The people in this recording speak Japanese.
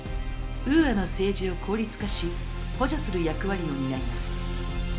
ウーアの政治を効率化し補助する役割を担います。